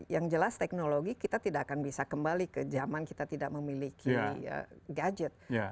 yang jelas teknologi kita tidak akan bisa kembali ke zaman kita tidak memiliki gadget